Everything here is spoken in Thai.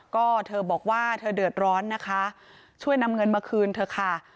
ก็เธอบอกว่าเธอเดือดร้อนนะคะช่วยนำเงินมาคืนเถอะค่ะ